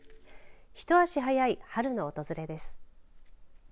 一足早い春の訪れです。